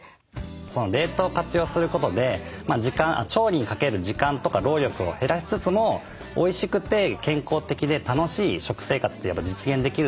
冷凍を活用することで調理にかける時間とか労力を減らしつつもおいしくて健康的で楽しい食生活ってやっぱ実現できると思うんですね。